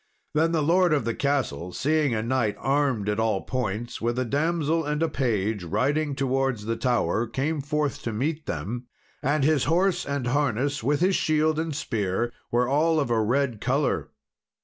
Then the lord of the castle, seeing a knight armed at all points, with a damsel and a page, riding towards the tower, came forth to meet them; and his horse and harness, with his shield and spear, were all of a red colour.